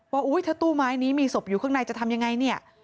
ว่าถ้าตู้ไม้นี้มีศพอยู่ข้างในจะทำอย่างไร